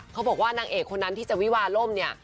เขาบอกว่านางเอกคนนั้นที่จะวิวาร่มเนี่ย